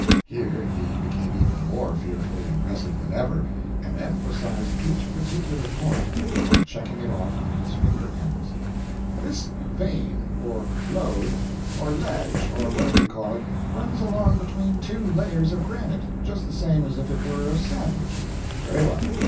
[Here he became even more fearfully impressive than ever, and emphasized each particular point by checking it off on his finger ends.] "This vein, or lode, or ledge, or whatever you call it, runs along between two layers of granite, just the same as if it were a sandwich. Very well.